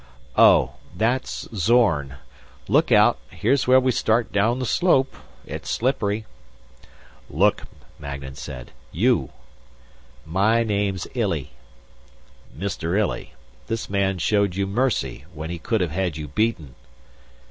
"Oh, that's Zorn. Look out, here's where we start down the slope. It's slippery." "Look," Magnan said. "You." "My name's Illy." "Mr. Illy, this man showed you mercy when he could have had you beaten."